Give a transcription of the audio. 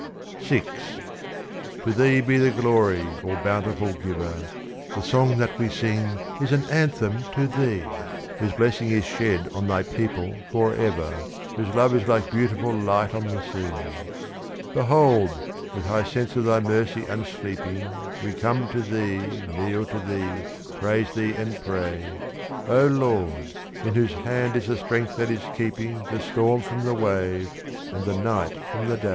VI To Thee be the glory, All Bountiful Giver! The song that we sing is an anthem to Thee, Whose blessing is shed on Thy people for ever, Whose love is like beautiful light on the sea. Behold, with high sense of Thy mercy unsleeping, We come to Thee, kneel to Thee, praise Thee, and pray, O Lord, in whose hand is the strength that is keeping The storm from the wave and the night from the day!